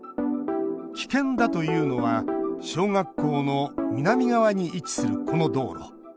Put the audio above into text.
危険だというのは小学校の南側に位置するこの道路。